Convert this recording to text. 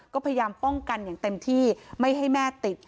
ก็พยายามป้องกันอย่างเต็มที่ไม่ให้แม่ติด